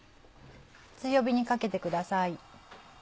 強火にかけてください。